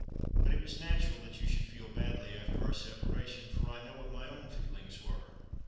But it was natural that you should feel badly after our separation, for I know what my own feelings were.